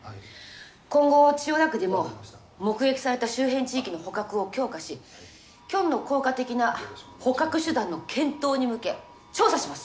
今後千代田区でも目撃された周辺地域の捕獲を強化しキョンの効果的な捕獲手段の検討に向け調査します。